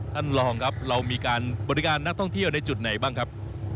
ท่านรองครับเรามีการบริการนักท่องเที่ยวในจุดไหนบ้างครับ